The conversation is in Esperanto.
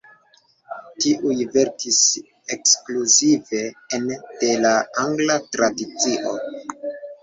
Tiuj verkis ekskluzive ene de la angla tradicio.